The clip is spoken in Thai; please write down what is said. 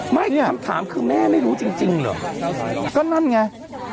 คำถามคือแม่ไม่รู้จริงเหรอก็นั่นไง